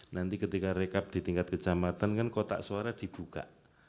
nanti ketika rekap di tingkat kecamatan kan kotak suara dibuka